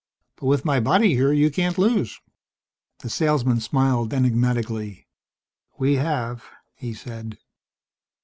But with my body here you can't lose." The salesman smiled enigmatically. "We have," he said.